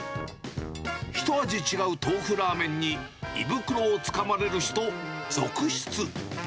ひと味違うトーフラーメンに胃袋をつかまれる人、続出。